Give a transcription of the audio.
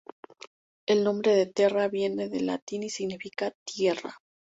El nombre de "Terra" viene del latín y significa tierra.